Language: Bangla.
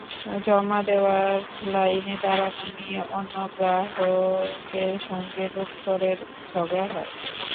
জমা দেওয়ার লাইনে দাঁড়ানো নিয়ে অন্য গ্রাহকের সঙ্গে লুৎফরের ঝগড়া হয়।